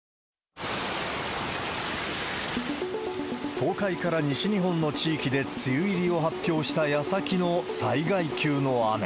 東海から西日本の地域で梅雨入りを発表したやさきの災害級の雨。